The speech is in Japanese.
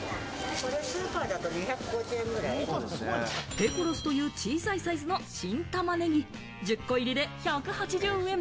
ペコロスという小さいサイズの新たまねぎ、１０個入りで１８０円！